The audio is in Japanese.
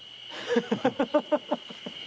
ハハハハ。